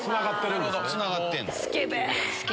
つながってんねん。